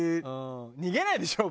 逃げないでしょ？